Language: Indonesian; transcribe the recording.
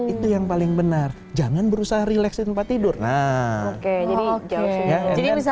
itu yang paling benar jangan berusaha relax di tempat tidur nah